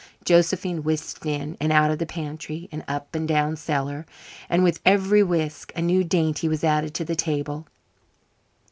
Josephine whisked in and out of the pantry, and up and down cellar, and with every whisk a new dainty was added to the table.